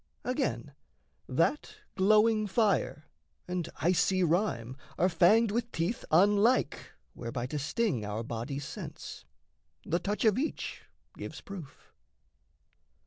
Again, that glowing fire and icy rime Are fanged with teeth unlike whereby to sting Our body's sense, the touch of each gives proof.